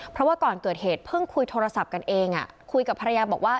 เพราะว่าก่อนเกิดเหตุเพิ่งคุยโทรศัพท์กันเองคุยกับภรรยาบอกว่า